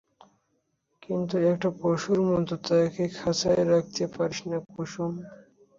কিন্তু একটা পশুর মতো তাকে খাঁচায়ও রাখতে পারিস না, কুসুম।